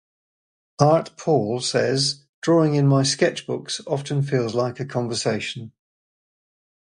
Art Paul says, drawing in my sketchbooks often feels like a conversation.